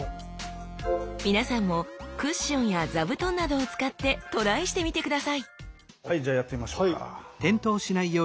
皆さんもクッションや座布団などを使ってトライしてみて下さいはいじゃあやってみましょうか。